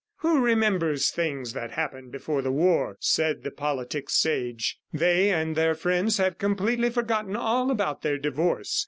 "Who remembers things that happened before the war," said the politic sage. "They and their friends have completely forgotten all about their divorce.